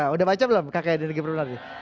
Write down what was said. udah baca belum kked negeri penari